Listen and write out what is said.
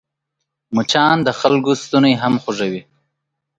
مچان د خلکو ستونی هم خوږوي